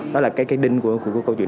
đó là cái đinh của câu chuyện